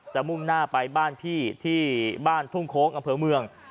มุ่งหน้าไปบ้านพี่ที่บ้านทุ่งโค้งอำเภอเมือง